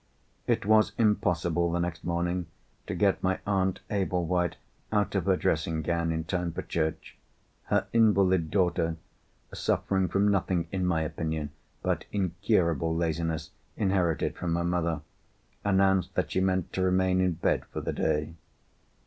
It was impossible the next morning to get my Aunt Ablewhite out of her dressing gown in time for church. Her invalid daughter (suffering from nothing, in my opinion, but incurable laziness, inherited from her mother) announced that she meant to remain in bed for the day.